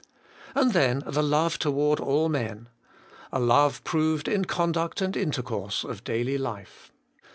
And then the love toward all men. A love proved in the conduct and intercourse of daily life.